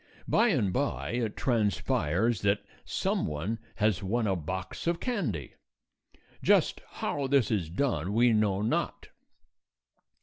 By and by it transpires that some one has won a box of candy. Just how this is done we know not.